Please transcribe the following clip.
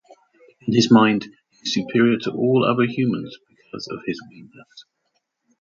In his mind he is superior to all other humans because of his weakness.